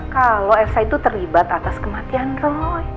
kalau esa itu terlibat atas kematian roy